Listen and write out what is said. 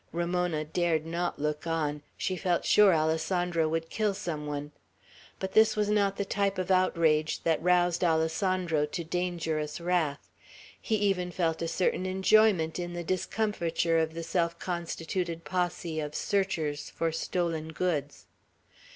Ramona dared not look on; she felt sure Alessandro would kill some one. But this was not the type of outrage that roused Alessandro to dangerous wrath. He even felt a certain enjoyment in the discomfiture of the self constituted posse of searchers for stolen goods.